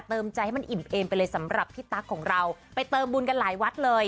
ใจให้มันอิ่มเอมไปเลยสำหรับพี่ตั๊กของเราไปเติมบุญกันหลายวัดเลย